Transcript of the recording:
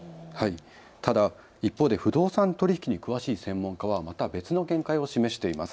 ただ一方で不動産取引に詳しい専門家はまた別の見解を示しています。